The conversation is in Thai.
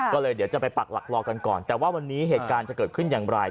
ก็เลยเดี๋ยวจะไปปักหลักรอกันก่อนแต่ว่าวันนี้เหตุการณ์จะเกิดขึ้นอย่างไร